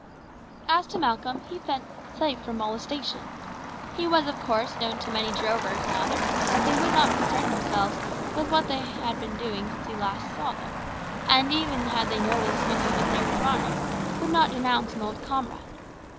As to Malcolm, he felt safe from molestation. He was, of course, known to many drovers and others, but they would not concern themselves with what he had been doing since they last saw him, and even had they noticed him when he was there with Ronald, would not denounce an old comrade.